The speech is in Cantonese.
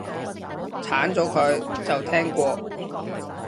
鏟咗佢，就聽過